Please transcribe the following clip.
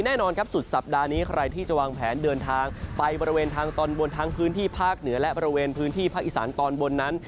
แน่นอนครับสุดสัปดาห์นี้ใครที่จะวางแผนเดินทางไปบริเวณทางตอนบนทั้งพื้นที่ภาคเหนือและบริเวณพื้นที่ภาคอีสานตอนบนนั้น